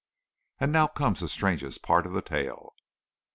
"And now comes the strangest part of the tale.